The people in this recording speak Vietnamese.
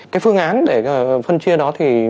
cái phương án để phân chia đó thì